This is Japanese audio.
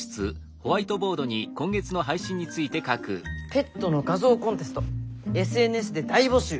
「ペットの画像コンテストＳＮＳで大募集！！」。